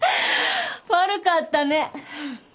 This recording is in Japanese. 悪かったね。